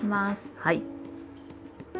はい。